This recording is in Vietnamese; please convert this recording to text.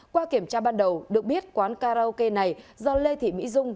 qua kiểm tra ban đầu được biết quán karaoke này do lê thị mỹ dung